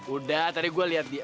udah tadi gua lihat dia